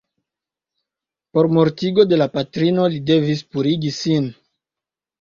Por mortigo de la patrino li devis purigi sin.